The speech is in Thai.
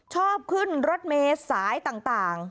ชอบขึ้นรถเมย์สายต่าง